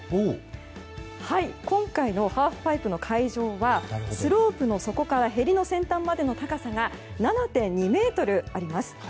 今回のハーフパイプの会場はスロープの底からへりの先端までの高さが７．２ｍあります。